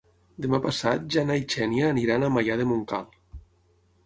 Demà passat na Jana i na Xènia iran a Maià de Montcal.